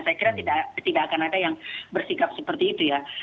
saya kira tidak akan ada yang bersikap seperti itu ya